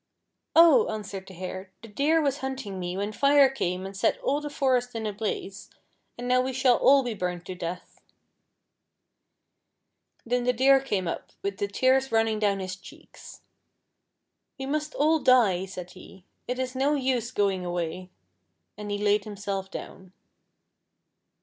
"Oh!" answered the Hare, "the Deer was hunting me when Fire came and set all the forest in a blaze, and now we shall all be burned to death." Then the Deer came up with the tears running down his cheeks. "We must all die," said he; "it is no use going away." And he laid himself down.